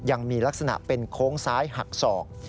ยังมีลักษณะเป็นโค้งซ้ายหักศอก